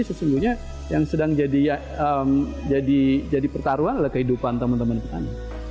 sesungguhnya yang sedang jadi pertaruhan adalah kehidupan teman teman petani